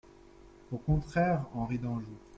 Au contraire Henri d'Anjou.